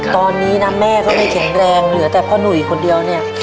ตอนนี้นะแม่ก็ไม่แข็งแรงเหลือแต่พ่อหนุ่ยคนเดียวเนี่ย